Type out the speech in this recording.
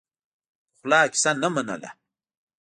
پخلا کیسه نه منله.